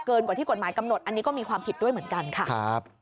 กว่าที่กฎหมายกำหนดอันนี้ก็มีความผิดด้วยเหมือนกันค่ะ